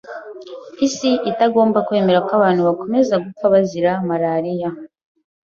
isi itagomba kwemera ko abantu bakomeza gupfa bazira malariya.